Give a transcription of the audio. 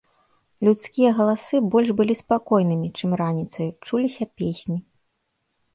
Людскія галасы больш былі спакойнымі, чым раніцаю, чуліся песні.